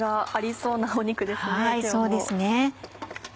そうですね。